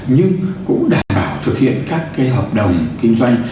nhưng cũng đảm bảo thực hiện các hợp đồng kinh doanh